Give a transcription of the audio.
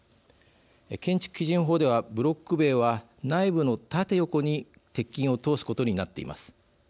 建築基準法では、ブロック塀は内部の縦横に鉄筋を通すことになっています。